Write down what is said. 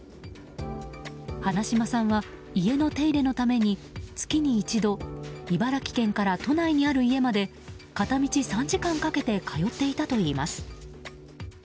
花島さんは家の手入れのために、月に一度茨城県から都内にある家まで片道３時間かけて通っていたといいます。